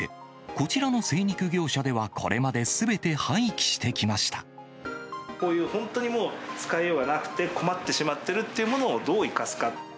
こちらの精肉業者では、こういう本当にもう、使いようがなくて、困ってしまってるっていうものをどう生かすか。